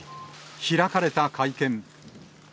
開かれた会見。